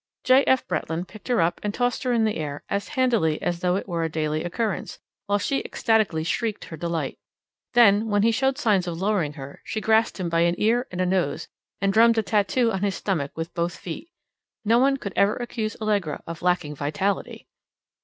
J. F. Bretland picked her up and tossed her in the air as handily as though it were a daily occurrence, while she ecstatically shrieked her delight. Then when he showed signs of lowering her, she grasped him by an ear and a nose, and drummed a tattoo on his stomach with both feet. No one could ever accuse Allegra of lacking vitality!